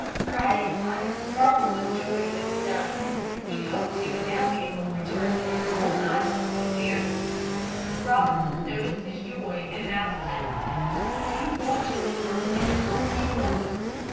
Friday's eyes sparkled with joy when it was done. He hoped he would now be able to return to his own island and parents. Robinson noticed his joy and asked him, "Do you want to return to your own people?"